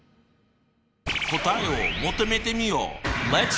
答えを求めてみよう！